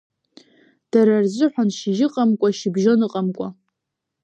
Дара рзыҳәан шьыжьы ыҟамкәа, шьыбжьон ыҟамкәа.